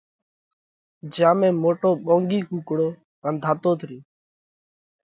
جيا ۾ موٽو ٻونڳي ڪُوڪڙو رنڌاتوت ريو۔